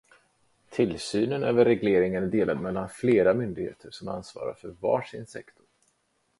Tillsynen över regleringen är delad mellan flera myndigheter, som ansvarar för varsin sektor.